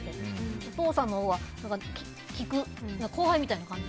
お父さんのほうは聞く後輩みたいな感じ。